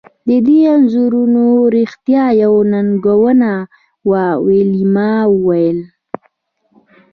د دې انځورول رښتیا یوه ننګونه وه ویلما وویل